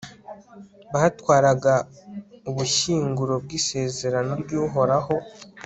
batwaraga ubushyinguro bw'isezerano ry'uhoraho